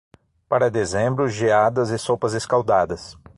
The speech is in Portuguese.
Para dezembro, geadas e sopas escaldadas.